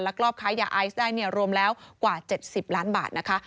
รอบค้ายาไอซ์ได้รวมแล้วกว่า๗๐ล้านบาทนะคะ